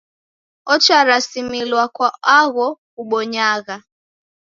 Ocharasimilwa kwa agho ubonyagha.